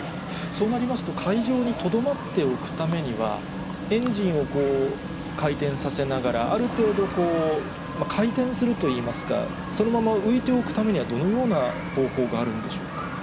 そうなりますと、海上にとどまっておくためには、エンジンを回転させながら、ある程度、回転するといいますか、そのまま浮いておくためには、どのような方法があるんでしょうか。